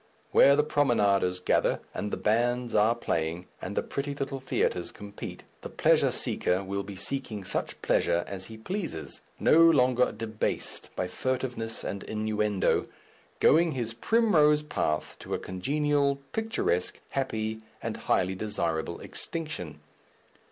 Where the promenaders gather, and the bands are playing, and the pretty little theatres compete, the pleasure seeker will be seeking such pleasure as he pleases, no longer debased by furtiveness and innuendo, going his primrose path to a congenial, picturesque, happy and highly desirable extinction.